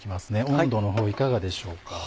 温度の方いかがでしょうか？